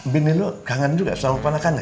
bini lo kangen juga sama puan akannya